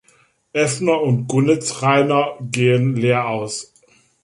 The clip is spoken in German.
Effner und Gunetzrhainer gehen leer aus.